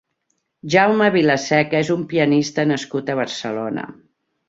Jaume Vilaseca és un pianista nascut a Barcelona.